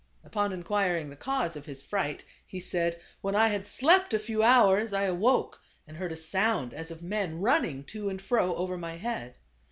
Upon inquiring the cause of his fright, he said, " When I had slept a few hours, I awoke, and heard a sound as of men running to and fro over my head.